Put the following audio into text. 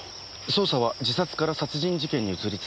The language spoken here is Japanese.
捜査は自殺から殺人事件に移りつつあります。